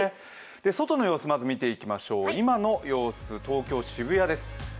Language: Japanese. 外の様子をまず見ていきましょう、今の様子、東京・渋谷です。